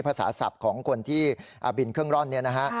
ภาษาศัพท์ของคนที่บินเครื่องร่อนเนี่ยนะฮะ